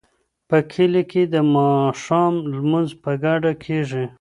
په کلي کې د ماښام لمونځ په ګډه کیږي.